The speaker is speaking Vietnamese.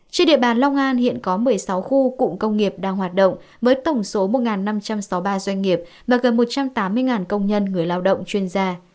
trên địa bàn long an hiện có một mươi sáu khu cụm công nghiệp đang hoạt động với tổng số một năm trăm sáu mươi ba doanh nghiệp và gần một trăm tám mươi công nhân người lao động chuyên gia